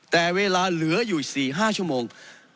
แต่เวลาเหลืออยู่๔๕ชั่วโมง